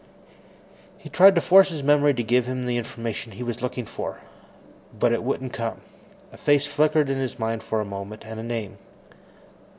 He tried to force his memory to give him the information he was looking for, but it wouldn't come. A face flickered in his mind for a moment, and a name.